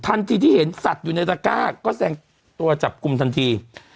ทันทีที่เห็นสัตว์อยู่ในตระก้าก็แสดงตัวจับกลุ่มทันที